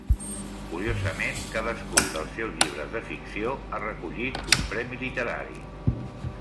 Curiosament, cadascun dels seus llibres de ficció ha recollit un premi literari.